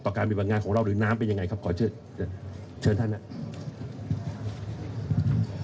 การปฏิบัติงานของเราหรือน้ำเป็นยังไงครับขอเชิญเชิญท่านครับ